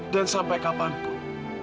dan sampai kapanpun